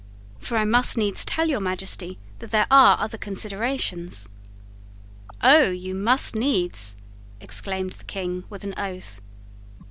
For I must needs tell your Majesty that there are other considerations." "Oh, you must needs," exclaimed the King, with an oath.